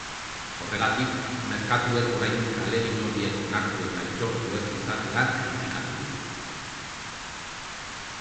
Horregatik, merkatuek oraindik ahalegin horiek onartu eta aitortu ez izatea kritikatu du.